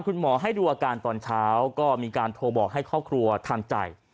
คุณหมอให้ดูอาการตอนเช้าก็มีการโทรบอกให้ครอบครัวทำใจ